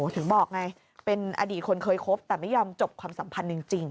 ถึงบอกไงเป็นอดีตคนเคยคบแต่ไม่ยอมจบความสัมพันธ์จริง